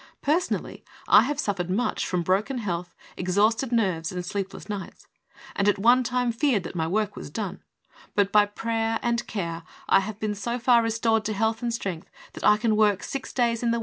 Personally I have suffered much from broken health, exhausted nerves and sleep less nights, and at one time feared that my work was done, but by prayer and care I have been so far restored to health and strength that I can work six days in the HEALTH.